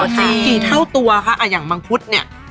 กี่เท่าตัวคะอย่างมังคุดเนี่ย